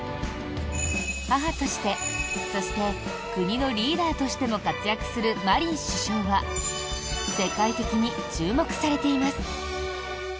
母として、そして国のリーダーとしても活躍するマリン首相は世界的に注目されています。